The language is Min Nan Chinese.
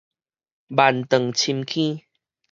萬丈深坑